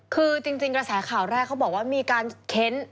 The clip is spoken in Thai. คือจริงกระแสข่าวแรกเขาบอกว่ามีการเค้น